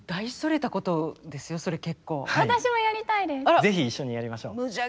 あら？是非一緒にやりましょう。